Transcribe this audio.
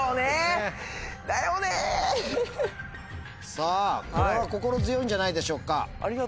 さぁこれは心強いんじゃないでしょうか。